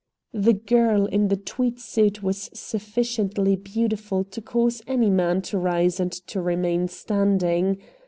The girl in the tweed suit was sufficiently beautiful to cause any man to rise and to remain standing.